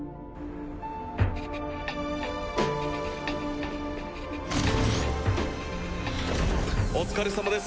・ガコン・お疲れさまです